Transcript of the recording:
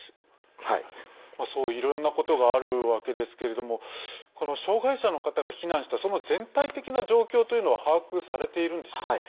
いろんなことがあるわけですけれどもこの障害者の方が避難したその全体的な状況というのは把握されているんでしょうか。